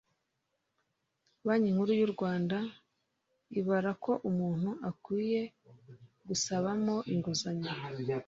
Banki Nkuru y u Rwanda ibara ko umuntu akwiye gusabamo inguzanyo